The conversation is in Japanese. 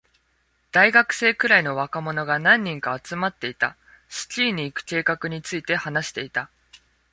大学生くらいの若者が何人か集まっていた。スキーに行く計画について話していた。